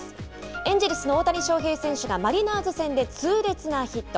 エンジェルスの大谷翔平選手がマリナーズ戦で痛烈なヒット。